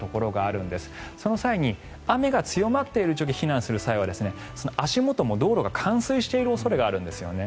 その際に雨が強まっている時に避難する際には足元も道路が冠水している恐れがあるんですね。